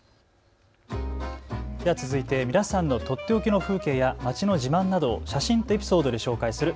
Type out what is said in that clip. では続いて皆さんのとっておきの風景や街の自慢などを写真とエピソードで紹介する＃